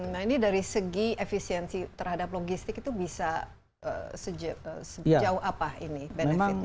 nah ini dari segi efisiensi terhadap logistik itu bisa sejauh apa ini benefitnya